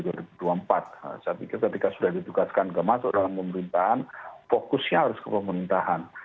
saya pikir ketika sudah ditugaskan ke masuk dalam pemerintahan fokusnya harus ke pemerintahan